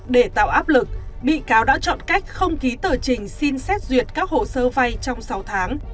để tạo áp lực bị cáo đã chọn cách không ký tờ trình xin xét duyệt các hồ sơ vay trong sáu tháng